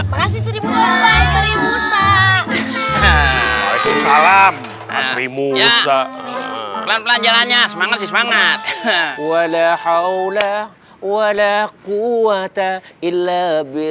walaikumsalam mas rimusa pelan pelan jalannya semangat semangat walaikumsalam